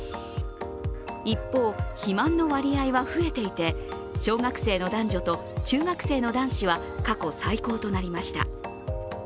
一方、肥満の割合は増えていて、小学生の男女と中学生の男子は過去最高となりました。